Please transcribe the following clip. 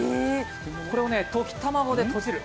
これを溶き卵でとじる。